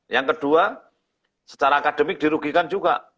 yang kedua secara akademik dirugikan juga